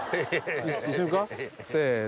せの。